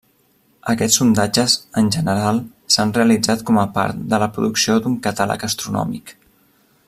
Aquests sondatges, en general, s'han realitzat com a part de la producció d'un catàleg astronòmic.